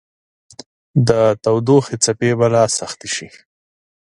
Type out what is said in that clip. د تودوخې څپې به لا سختې شي